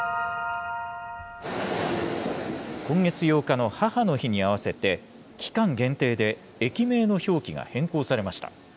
今月８日の母の日に合わせて、期間限定で駅名の表記が変更されました。